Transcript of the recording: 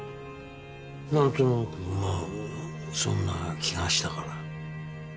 なんとなくまあそんな気がしたから。